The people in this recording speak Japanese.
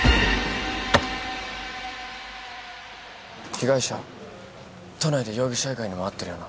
被害者都内で容疑者以外にも会ってるよな？